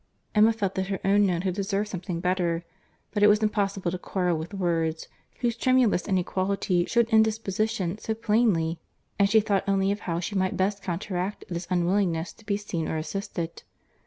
Emma felt that her own note had deserved something better; but it was impossible to quarrel with words, whose tremulous inequality shewed indisposition so plainly, and she thought only of how she might best counteract this unwillingness to be seen or assisted.